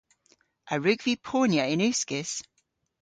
A wrug vy ponya yn uskis?